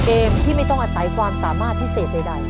เกมที่ไม่ต้องอาศัยความสามารถพิเศษใด